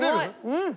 うん！